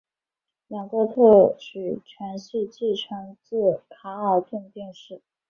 两个特许权系继承自卡尔顿电视。